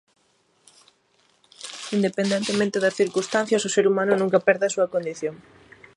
Independentemente das circunstancias o ser humano nunca perde a súa condición